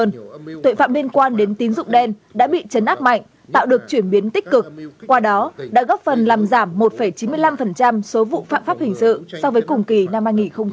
nhưng tội phạm liên quan đến tín dụng đen đã bị chấn áp mạnh tạo được chuyển biến tích cực qua đó đã góp phần làm giảm một chín mươi năm số vụ phạm pháp hình sự so với cùng kỳ năm hai nghìn một mươi chín